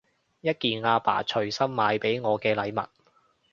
一件阿爸隨心買畀我嘅禮物